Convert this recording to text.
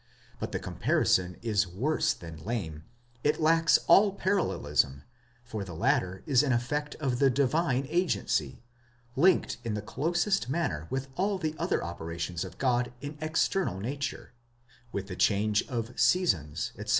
but the comparison is worse than lame,—it lacks all parallelism ; for the latter is an effect of the divine agency, linked in the closest manner with all the other operations of God in external nature, with the change of seasons, etc.